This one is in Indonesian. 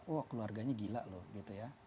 wah keluarganya gila loh gitu ya